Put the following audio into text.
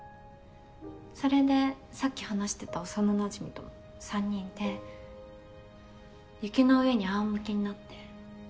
それでさっき話してた幼なじみと３人で雪の上にあおむけになって。